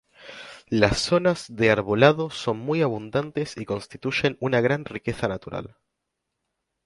Las zonas de arbolado son muy abundantes y constituyen una gran riqueza natural.